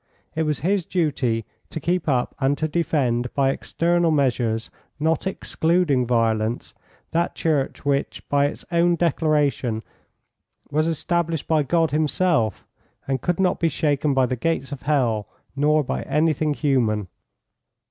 It was his duty to keep up and to defend, by external measures, not excluding violence, that Church which, by its own declaration, was established by God Himself and could not be shaken by the gates of hell nor by anything human.